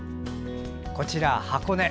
こちら、箱根。